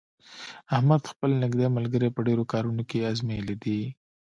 احمد خپل نېږدې ملګري په ډېرو کارونو کې ازمېیلي دي.